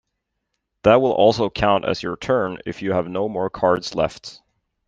That will also count as your turn if you have no more cards left.